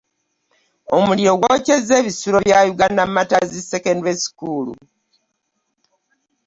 Omuliro gwokezza ebisulo bya Uganda Martyrs secondary School